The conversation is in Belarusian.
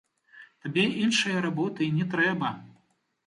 Табе іншае работы і не трэба.